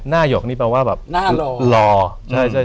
หน้าหยกนี่แปลว่าแบบหน้าหล่อ